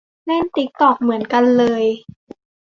เล่นติ๊กต็อกเหมือนกันเลย